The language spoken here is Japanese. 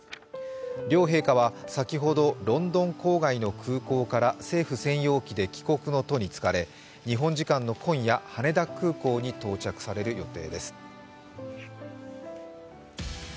両陛下は先ほどロンドン郊外の空港から政府専用機で帰国の途につかれ、日本時間の今夜、羽田空港に到着される予定です。